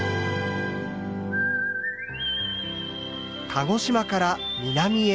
鹿児島から南へ